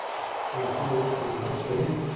ماشوم اوس تمرکز کوي.